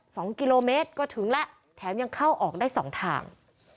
สองกิโลเมตรก็ถึงแล้วแถมยังเข้าออกได้สองทาง